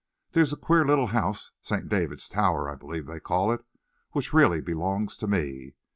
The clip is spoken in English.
There's a queer little house St. David's Tower, I believe they call it which really belongs to me.